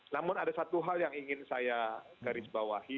namun ada satu hal yang ingin saya garisbawahi